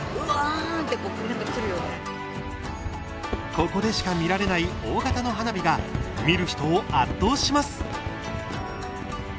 ここでしか見られない大型の花火が見る人を圧倒します。